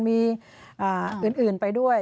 มีอื่นไปด้วย